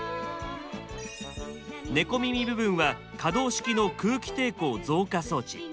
ネコミミ部分は可動式の空気抵抗増加装置。